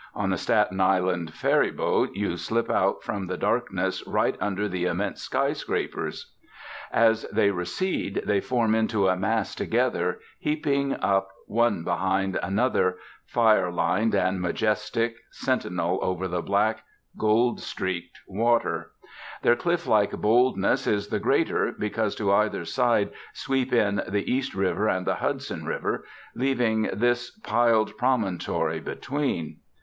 On the Staten Island ferry boat you slip out from the darkness right under the immense sky scrapers. As they recede they form into a mass together, heaping up one behind another, fire lined and majestic, sentinel over the black, gold streaked waters. Their cliff like boldness is the greater, because to either side sweep in the East River and the Hudson River, leaving this piled promontory between.